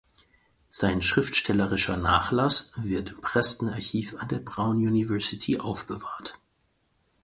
Sein schriftstellerischer Nachlass wird im "Preston Archive" an der Brown University aufbewahrt.